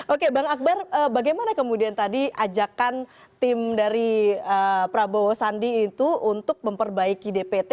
oke bang akbar bagaimana kemudian tadi ajakan tim dari prabowo sandi itu untuk memperbaiki dpt